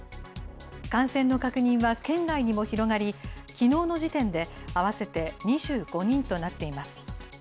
感染の確認は県外にも広がり、きのうの時点で合わせて２５人となっています。